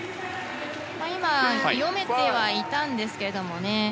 今のは読めてはいたんですけれどもね。